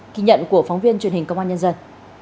kỳ nhận của phóng viên truyền hình công an nhân dân